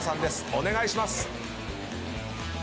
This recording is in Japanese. お願いします。